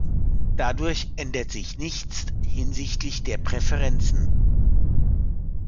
Dadurch ändert sich nichts hinsichtlich der Präferenzen.